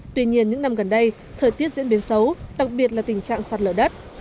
tuy nhiên những năm gần đây thời tiết diễn biến xấu đặc biệt là tình trạng sạt lở đất